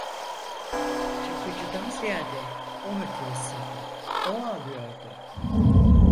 Çakıcı’dan ziyade o müteessirdi, o ağlıyordu.